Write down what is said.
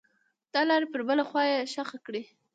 دلارې پر بله خوا یې ښخه کړئ.